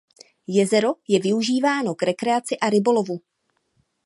Jezero je využíváno k rekreaci a rybolovu.